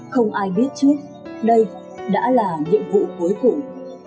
không ai biết trước đây đã là nhiệm vụ cuối cùng